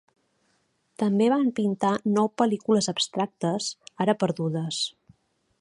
També van pintar nou pel·lícules abstractes, ara perdudes.